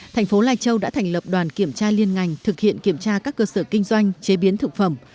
thành phố lai châu đã thành lập đoàn kiểm tra liên ngành thực hiện kiểm tra các cơ sở kinh doanh chế biến thực phẩm